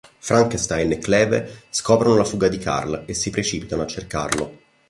Frankenstein e Kleve scoprono la fuga di Karl e si precipitano a cercarlo.